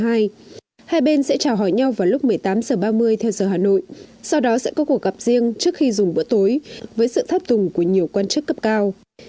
hai bên sẽ trào hỏi nhau vào lúc một mươi tám h ba mươi theo giờ hà nội sau đó sẽ có cuộc gặp riêng trước khi dùng bữa tối với sự tháp tùng của nhiều quan chức cấp cao